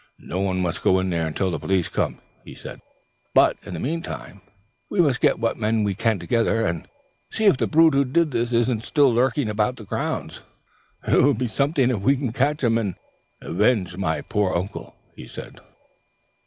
'No one must go in there till the police come,' he says. 'But in the meantime we must get what men we can together, and see if the brute who did this isn't lurking about the grounds. It will be something if we can catch him, and avenge my poor uncle,' he said."